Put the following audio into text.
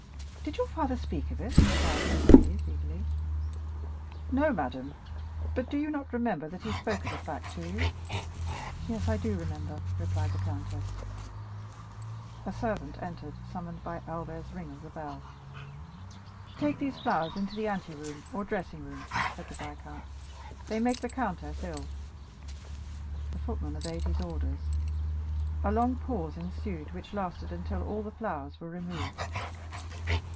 "Did your father speak of it?" inquired Mercédès eagerly. "No, madame; but do you not remember that he spoke of the fact to you?" 20269m "Yes, I do remember," replied the countess. A servant entered, summoned by Albert's ring of the bell. "Take these flowers into the anteroom or dressing room," said the viscount; "they make the countess ill." The footman obeyed his orders. A long pause ensued, which lasted until all the flowers were removed.